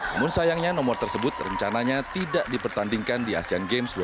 namun sayangnya nomor tersebut rencananya tidak dipertandingkan di asean games dua ribu delapan belas